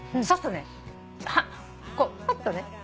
そうするとねフッとね。